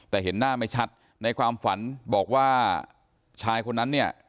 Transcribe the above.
แต่เห็นหน้าไม่ชัดในความฝันบอกว่าชายคนนั้นเนี่ย